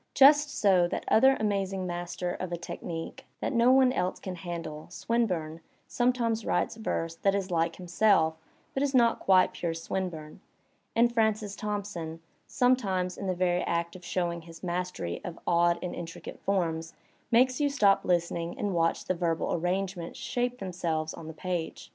Just so that other amazing master of a technique that no one else can handle, Swinburne, sometimes writes verse that is like himself but is not quite pure Swinburne; and Francis Thomp son, sometimes in the veiy act of showing his mastery of odd and intricate forms, makes you stop listening and watch the verbal arrangements shape themselves on the page.